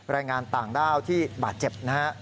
แรงงานต่างด้าวที่บาดเจ็บนะฮะ